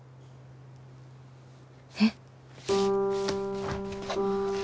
えっ！？